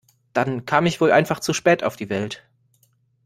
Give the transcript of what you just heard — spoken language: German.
Dann kam ich wohl einfach zu spät auf die Welt.